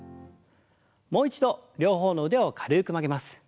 もう一度両方の腕を軽く曲げます。